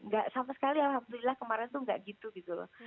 gak sama sekali alhamdulillah kemarin tuh nggak gitu gitu loh